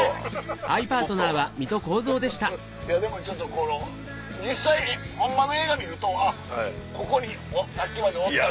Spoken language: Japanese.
でもちょっとこの実際ホンマの映画見るとあっここにさっきまでおった。